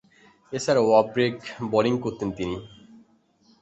এছাড়াও off break bowling করতেন তিনি।